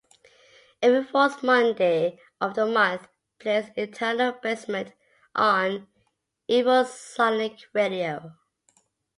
Every fourth Monday of the month plays Eternal Basement on Evosonic Radio.